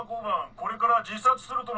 これから自殺するとの通報。